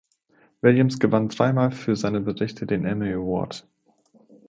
Williams gewann dreimal für seine Berichte den Emmy Award.